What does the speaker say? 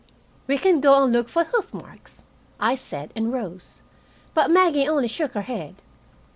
"We can go and look for hoof marks," I said, and rose. But Maggie only shook her head.